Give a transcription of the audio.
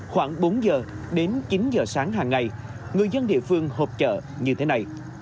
khoảng bốn giờ đến chín giờ sáng hàng ngày người dân địa phương hộp chợ như thế này